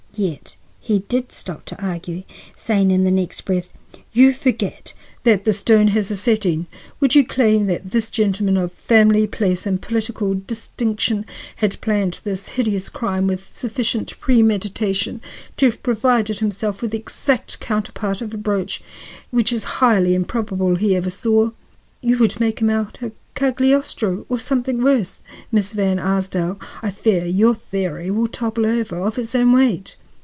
Yet he did stop to argue, saying in the next breath: "You forget that the stone has a setting. Would you claim that this gentleman of family, place and political distinction had planned this hideous crime with sufficient premeditation to have provided himself with the exact counterpart of a brooch which it is highly improbable he ever saw? You would make him out a Cagliostro or something worse. Miss Van Arsdale, I fear your theory will topple over of its own weight."